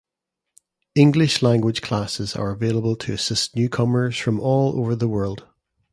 English language classes are available to assist newcomers from all over the world.